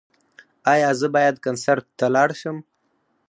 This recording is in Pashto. ایا زه باید کنسرت ته لاړ شم؟